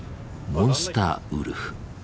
モンスターウルフ。